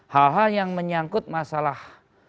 hal hal yang menyangkut masalah